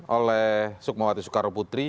oleh sukmawati soekarno putri